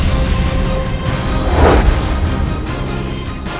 aku mau kesana